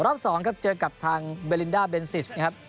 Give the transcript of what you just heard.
รอบสองครับเจอกับทางเบลินด้าเบนซิส